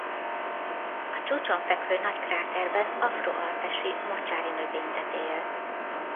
A csúcson fekvő nagy kráterben afro-alpesi mocsári növényzet él.